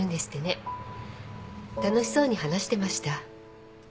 楽しそうに話してました。